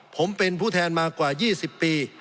ผมเป็นผู้แทนมากว่า๒๐ปี